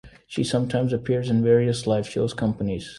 She sometimes appears in various Live Shows companies.